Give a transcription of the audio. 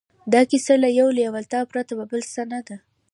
دا کیسه له یوې لېوالتیا پرته بل څه نه ده